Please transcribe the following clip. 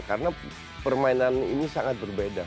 karena permainan ini sangat berbeda